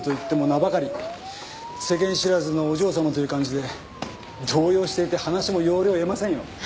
世間知らずのお嬢様という感じで動揺していて話も要領を得ませんよ。